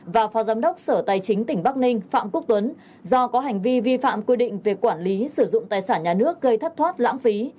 và phó giám đốc sở tài chính tỉnh bắc ninh phạm quốc tuấn do có hành vi vi phạm quy định về quản lý sử dụng tài sản nhà nước gây thất thoát lãng phí